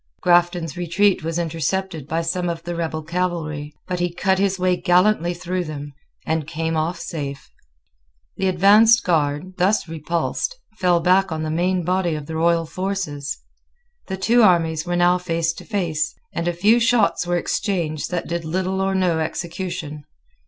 Grafton's retreat was intercepted by some of the rebel cavalry: but he cut his way gallantly through them, and came off safe. The advanced guard, thus repulsed, fell back on the main body of the royal forces. The two armies were now face to face; and a few shots were exchanged that did little or no execution.